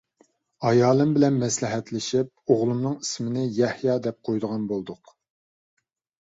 ئايالىم بىلەن مەسلىھەتلىشىپ، ئوغلۇمنىڭ ئىسمىنى «يەھيا» دەپ قويىدىغان بولدۇق.